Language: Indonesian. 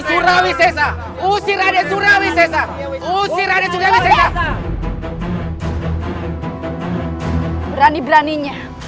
usir rade surawi zessa